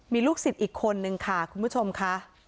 มีลูกศิษย์อีกคนนึงค่ะคุณผู้ชมค่ะ